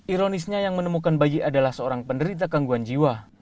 ironisnya yang menemukan bayi adalah seorang penderita gangguan jiwa